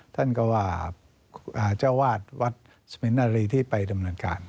ท่านก็ว่าเจ้าวาดวัดสมินนารีที่ไปดำเนินการ